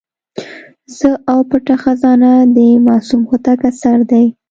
زه او پټه خزانه د معصوم هوتک اثر دی.